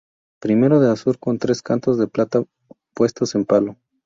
Primero, de azur con tres cantos de plata puestos en palo.